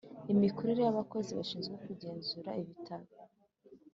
imikorere y abakozi bashinzwe kugenzura ibitaro